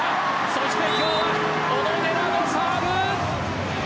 そして今日は小野寺のサーブ。